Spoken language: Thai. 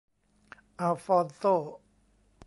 อัลฟอนโซ